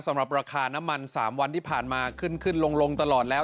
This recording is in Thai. สำหรับราคาน้ำมัน๓วันที่ผ่านมาขึ้นขึ้นลงตลอดแล้ว